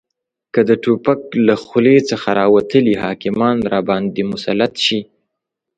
که د توپک له خولې څخه راوتلي حاکمان راباندې مسلط شي